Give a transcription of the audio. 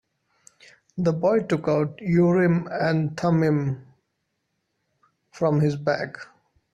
The boy took out Urim and Thummim from his bag.